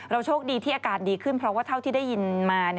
โชคดีที่อาการดีขึ้นเพราะว่าเท่าที่ได้ยินมา